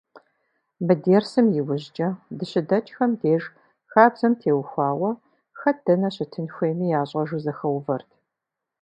Мы дерсым иужькӏэ, дыщыдэкӏхэм деж, хабзэм теухуауэ, хэт дэнэ щытын хуейми ящӏэжу зэхэувэрт.